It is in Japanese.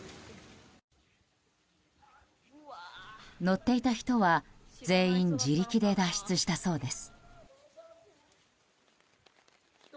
乗っていた人は全員自力で脱出したそうです。